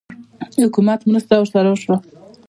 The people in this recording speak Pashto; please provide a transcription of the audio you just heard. د حکومت مرسته ورسره وشوه؟